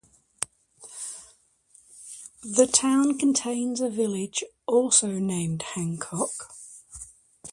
The town contains a village, also named Hancock.